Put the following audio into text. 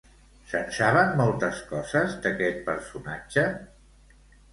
Se'n saben moltes coses d'aquest personatge?